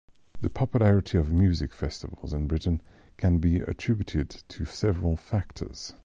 The popularity of music festivals in Britain can be attributed to several factors.